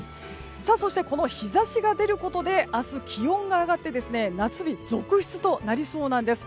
そして、この日差しが出ることで明日、気温が上がって夏日続出となりそうです。